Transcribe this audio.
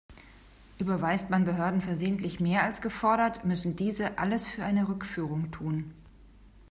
Überweist man Behörden versehentlich mehr als gefordert, müssen diese alles für eine Rückführung tun.